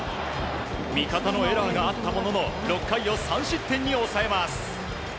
味方のエラーがあったものの６回を３失点に抑えます。